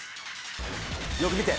よく見て。